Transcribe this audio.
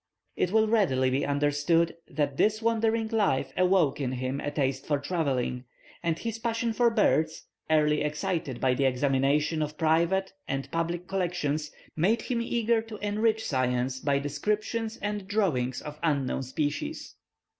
It will readily be understood that this wandering life awoke in him a taste for travelling; and his passion for birds, early excited by the examination of private and public collections, made him eager to enrich science by descriptions and drawings of unknown species.